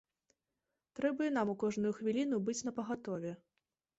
Трэба і нам у кожную хвіліну быць напагатове.